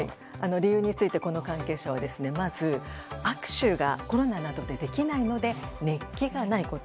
理由について、この関係者はまず握手がコロナでできないので熱気がないこと。